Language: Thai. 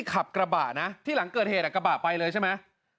ขับกระบะนะที่หลังเกิดเหตุกระบะไปเลยใช่ไหม